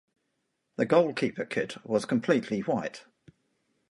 The goalkeeper kit was completely white.